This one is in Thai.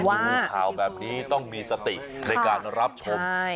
ดูข่าวแบบนี้ต้องมีสติในการรับชม